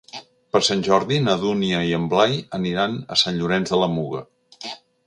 Per Sant Jordi na Dúnia i en Blai aniran a Sant Llorenç de la Muga.